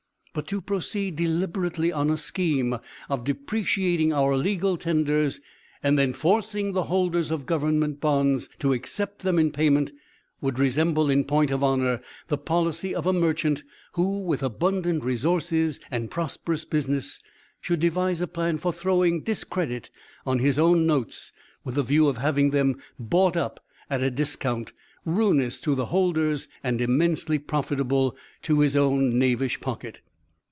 But to proceed deliberately on a scheme of depreciating our legal tenders and then forcing the holders of Government bonds to accept them in payment, would resemble in point of honor, the policy of a merchant who, with abundant resources and prosperous business, should devise a plan for throwing discredit on his own notes with the view of having them bought up at a discount, ruinous to the holders and immensely profitable to his own knavish pocket.